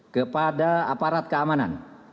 kepada aparat keamanan